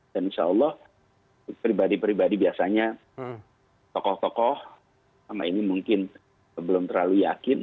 dan insya allah pribadi pribadi biasanya tokoh tokoh sama ini mungkin belum terlalu yakin